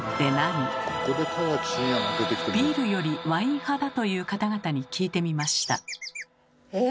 ビールよりワイン派だという方々に聞いてみました。